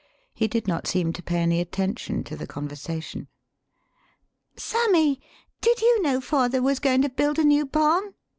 He did not seem to pay any attention to the conversation.] "Sammy, did you know father was going to build a new barn?"